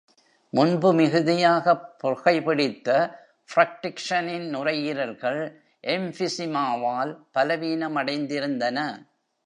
முன்பு மிகுதியாகப் புகைபிடித்த ஃப்ரெட்ரிக்சனின் நுரையீரல்கள் எம்ஃபிஸிமாவால் பலவீனமடைந்திருந்தன.